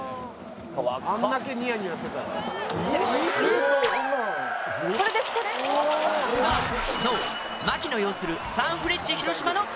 そう槙野擁するサンフレッチェ広島の団体芸。